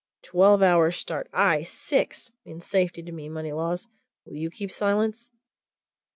"Twelve hours' start aye, six! means safety to me, Moneylaws. Will you keep silence?"